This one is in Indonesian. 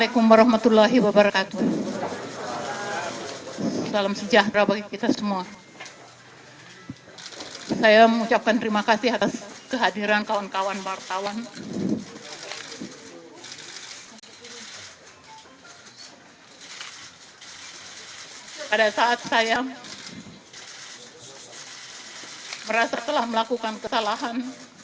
pada saat saya merasa telah melakukan kesalahan